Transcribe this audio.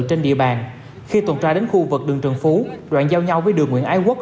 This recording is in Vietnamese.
trên địa bàn khi tuần tra đến khu vực đường trần phú đoạn giao nhau với đường nguyễn ái quốc